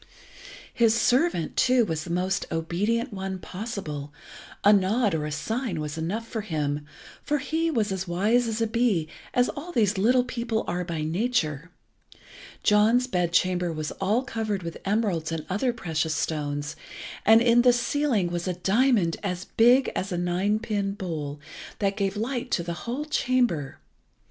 His servant, too, was the most obedient one possible, a nod or a sign was enough for him, for he was as wise as a bee, as all these little people are by nature John's bedchamber was all covered with emeralds and other precious stones, and in the ceiling was a diamond as big as a nine pin bowl, that gave light to the whole chamber.